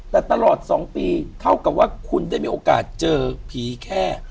แต่ตลอด๒ปีเท่ากับว่าคุณได้มีโอกาสเจอผีแค่